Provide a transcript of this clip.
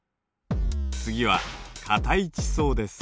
次は硬い地層です。